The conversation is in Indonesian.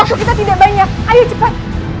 waktu kita tidak banyak ayo cepat